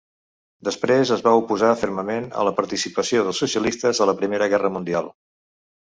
Després es va oposar fermament a la participació dels socialistes a la Primera Guerra mundial.